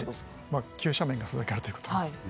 まあ急斜面がそれだけあるということです。